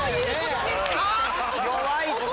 弱いって。